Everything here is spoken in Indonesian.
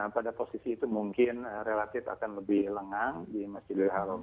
pada posisi itu mungkin relatif akan lebih lengang di masjidil haram